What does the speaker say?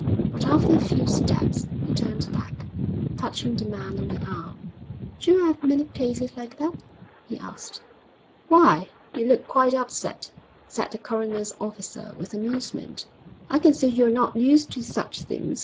But after a few steps he turned back, touching the man on the arm. 'D'you 'ave many cases like that?' he asked. 'Why, you look quite upset,' said the coroner's officer, with amusement. 'I can see you're not used to such things.